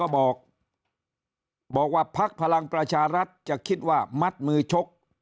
บอกว่าพักพลังประชารัฐจะคิดว่ามัดมือชก